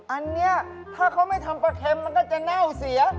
อันนี้ถ้าเขาไม่ทำปลาเค็มมันก็จะเน่าเสีย